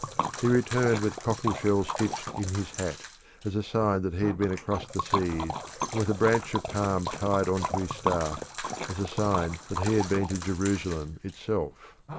He returned with cockle shells stitched in his hat, as a sign that he had been across the seas, and with a branch of palm tied on to his staff, as a sign that he had been to Jerusalem itself.